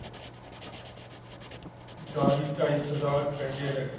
گاڑی کا انتظار کرنے لگے